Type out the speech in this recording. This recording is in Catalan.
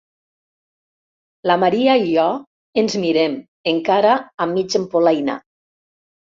La Maria i jo ens mirem, encara a mig empolainar.